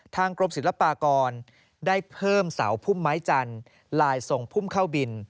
กรมศิลปากรได้เพิ่มเสาพุ่มไม้จันทร์ลายทรงพุ่มเข้าบิน